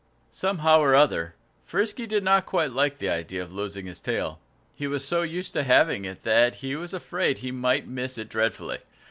Somehow or other, Frisky did not quite like the idea of losing his tail. He was so used to having it that he was afraid he might miss it dreadfully.